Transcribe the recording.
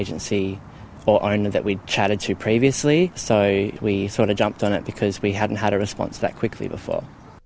jadi kita menerima respon karena kita belum pernah mendapat respon dengan cepat